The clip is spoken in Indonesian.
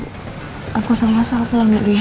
pak aku aku selalu selalu pulang dulu ya